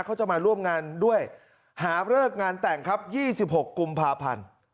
เขาจะมาร่วมงานด้วยหาเลิกงานแต่งครับ๒๖กุมภาพันธ์